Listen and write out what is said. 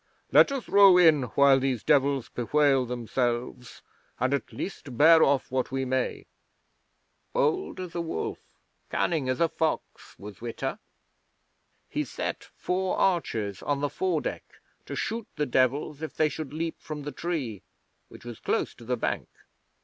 Let us row in while these Devils bewail themselves, and at least bear off what we may." 'Bold as a wolf, cunning as a fox was Witta! He set four archers on the foredeck to shoot the Devils if they should leap from the tree, which was close to the bank.